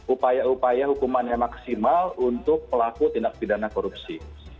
upaya upaya hukumannya maksimal untuk pelaku tindak pidana korupsi